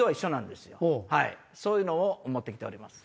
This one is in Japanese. そういうのを持って来ております。